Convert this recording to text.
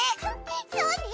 そうね！